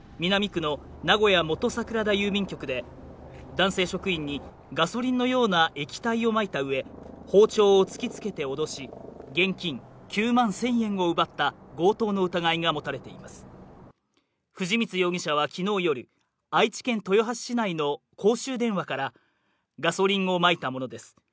南区の名古屋元桜田郵便局で男性職員にガソリンのような液体をまいたうえ包丁を突きつけて脅し現金９万１０００円を奪った強盗の疑いが持たれています藤光容疑者は昨日夜愛知県豊橋市内の公衆電話からガソリンをまいた者です